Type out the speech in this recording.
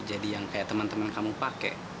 jadi yang kayak temen temen kamu pake